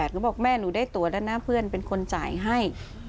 หนูบอกแม่หนูได้ตัวแล้วนะเพื่อนเป็นคนจ่ายให้